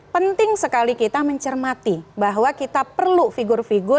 penting sekali kita mencermati bahwa kita perlu figur figur